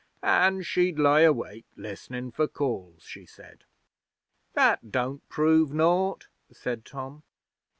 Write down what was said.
An, she'd lie awake listenin' for calls, she said.' 'That don't prove naught,' said Tom.